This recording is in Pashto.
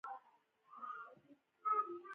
ښوونځی موږ ته نیکمرغي راوړي